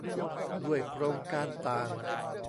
ด้วยโครงการต่าง